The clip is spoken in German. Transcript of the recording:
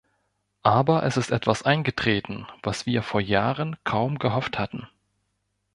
Aber es ist etwas eingetreten, was wir vor Jahren kaum gehofft hatten.